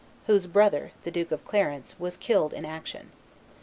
whose brother, the Duke of Clarence, was killed in action.